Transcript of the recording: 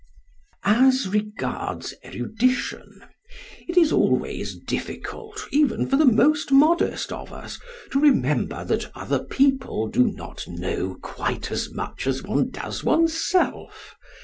As regards erudition, it is always difficult, even for the most modest of us, to remember that other people do not know quite as much as one does one's self.